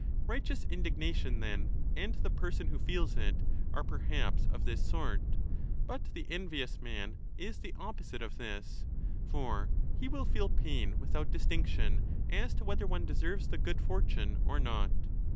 Righteous indignation, then, and the person who feels it, are perhaps of this sort, but the 25 envious man is the opposite of this. For he will feel pain without distinction as to whether one deserves the good fortune or not.